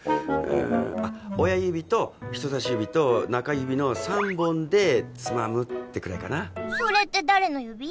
あ親指と人さし指と中指の３本でつまむってくらいかなそれって誰の指？